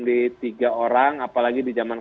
di tiga orang apalagi di zaman